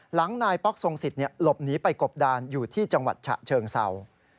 หลังนายป๊อกทรงสิทธิ์หลบหนีไปกบดานอยู่ที่จังหวัดฉะเชิงเศร้า